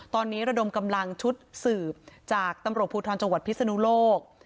ตอนนี้ระดมกำลังชุดสืบจากตำรวจภูทรจังหวัดพิศนุโลก